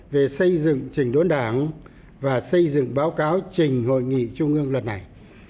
về xây dựng trình đốn đảng và xây dựng báo cáo trình hội nghị trung ương lần này